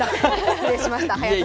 失礼しました。